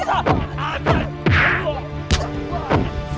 tidak ada keuntungan